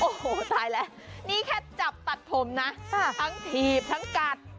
โอ้โหตายแล้วนี่แค่จับตัดผมนะทั้งถีบทั้งกัด